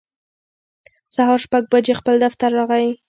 سهار شپږ بجې خپل دفتر راغی